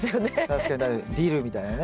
確かに確かにディルみたいなね。